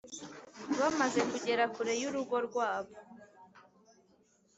Bamaze kugera kure y urugo rwabo